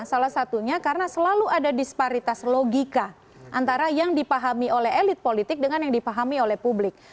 salah satunya karena selalu ada disparitas logika antara yang dipahami oleh elit politik dengan yang dipahami oleh publik